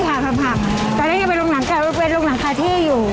แต่นั่นยังเป็นลงหนังคาเท่อยู่